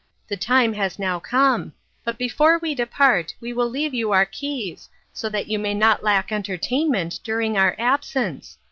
The time has now come; but before we depart, we will leave you our keys, so that you may not lack entertainment during our absence.